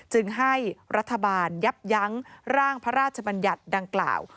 จึงให้รัฐบาลยับยั้งร่างพระราชบัญญัติดังกล่าว